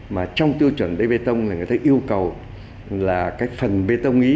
mà trong tiêu chuẩn đê bê tông thì người ta yêu cầu là cái phần bê tông ý